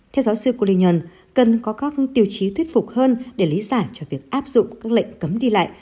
theo giáo sư culin cần có các tiêu chí thuyết phục hơn để lý giải cho việc áp dụng các lệnh cấm đi lại